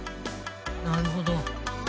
なるほど。